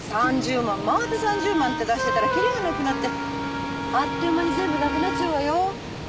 また３０万って出してたら切りがなくなってあっという間に全部なくなっちゃうわよ。